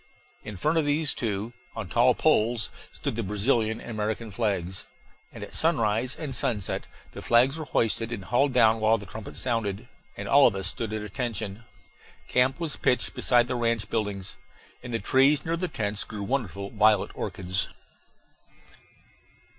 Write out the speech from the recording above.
In front of these two, on tall poles, stood the Brazilian and American flags; and at sunrise and sunset the flags were hoisted and hauled down while the trumpet sounded and all of us stood at attention. Camp was pitched beside the ranch buildings. In the trees near the tents grew wonderful violet orchids.